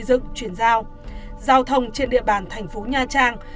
dự án đầu tư xây dựng chuyển giao giao thông trên địa bàn thành phố nha trang